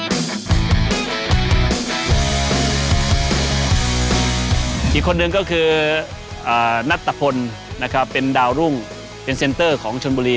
อีกคนนึงก็คือนัตตะพลนะครับเป็นดาวรุ่งเป็นเซ็นเตอร์ของชนบุรี